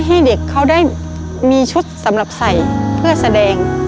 ให้เด็กเขาได้มีชุดสำหรับใส่เพื่อแสดง